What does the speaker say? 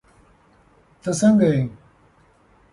تہ سنګه یی